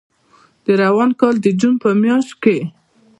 د روان کال د جون په میاشت کې